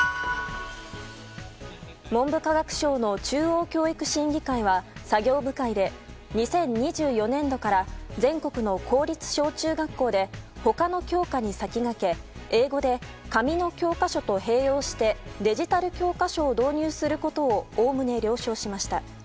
文部科学省の中央教育審議会は作業部会で２０２４年度から全国の公立小中学校で他の教科に先駆け英語で紙の教科書と併用してデジタル教科書を導入することをおおむね了承しました。